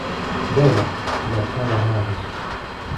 Belle, tu n’as point d’armoiries